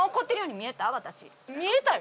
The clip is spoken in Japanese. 見えたよ。